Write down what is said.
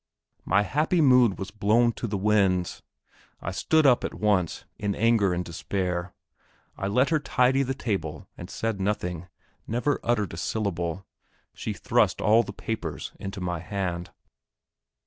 My happy mood was blown to the winds; I stood up at once, in anger and despair. I let her tidy the table, and said nothing, never uttered a syllable. She thrust all the papers into my hand.